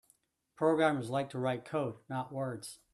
Programmers like to write code; not words.